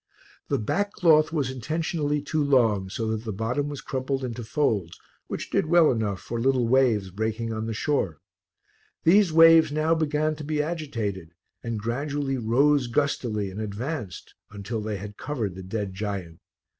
The back cloth was intentionally too long, so that the bottom was crumpled into folds which did well enough for little waves breaking on the shore. These waves now began to be agitated, and gradually rose gustily and advanced until they had covered the dead giant.